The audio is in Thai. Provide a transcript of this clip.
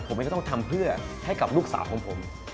ผมเองก็ต้องทำเพื่อให้กับลูกสาวของผม